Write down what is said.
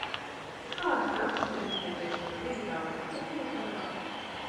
Kādas prasmes ir nepieciešamas digitālajam tirgotājam?